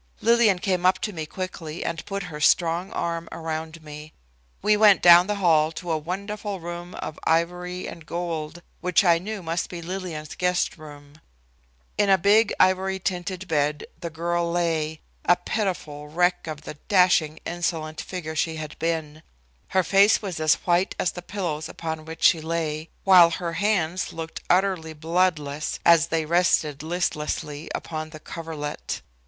Lillian came up to me quickly and put her strong arm around me. We went down the hall to a wonderful room of ivory and gold, which I knew must be Lillian's guest room. In a big ivory tinted bed the girl lay, a pitiful wreck of the dashing, insolent figure she had been. Her face was as white as the pillows upon which she lay, while her hands looked utterly bloodless as they rested listlessly upon the coverlet.